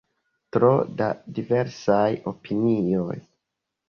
Tro da diversaj opinioj.